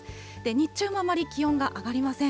日中もあまり気温が上がりません。